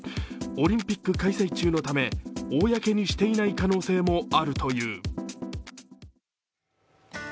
オリンピック開催中のため公にしていない可能性も